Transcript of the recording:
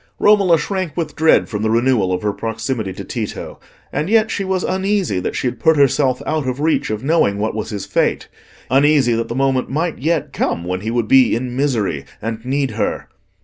Romola shrank with dread from the renewal of her proximity to Tito, and yet she was uneasy that she had put herself out of reach of knowing what was his fate—uneasy that the moment might yet come when he would be in misery and need her.